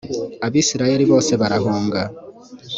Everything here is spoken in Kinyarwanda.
abisirayeli bose barahunga